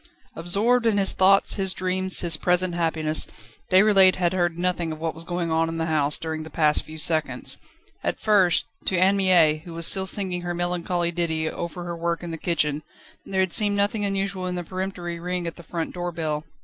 Absorbed in his thoughts, his dreams, his present happiness, Déroulède had heard nothing of what was going on in the house, during the past few seconds. At first, to Anne Mie, who was still singing her melancholy ditty over her work in the kitchen, there had seemed nothing unusual in the peremptory ring at the front door bell.